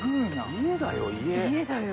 家だよ家。